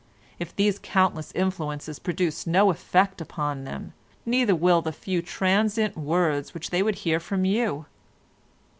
If these countless influences produce no effect upon them, neither will the few transient words which they would hear from you.